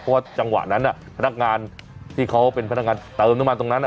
เพราะว่าจังหวะนั้นพนักงานที่เขาเป็นพนักงานเติมน้ำมันตรงนั้น